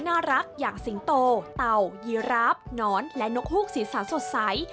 น่ารักอย่างสิงโตเต่ายีราฟหนอนและนกฮูกสีสันสดใส